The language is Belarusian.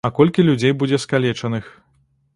А колькі людзей будзе скалечаных.